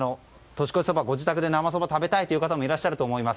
ご自宅で生そばを食べたいという方もいらっしゃると思います。